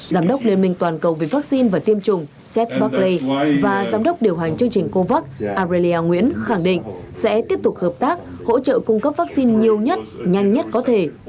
giám đốc liên minh toàn cầu về vaccine và tiêm chủng sep barlay và giám đốc điều hành chương trình covax areya nguyễn khẳng định sẽ tiếp tục hợp tác hỗ trợ cung cấp vaccine nhiều nhất nhanh nhất có thể